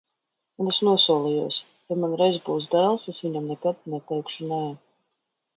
Un es nosolījos: ja man reiz būs dēls, es viņam nekad neteikšu nē.